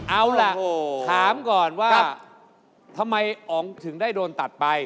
เอาล่ะถามก่อนว่าทำไมอ๋องถึงได้โดนตัดไป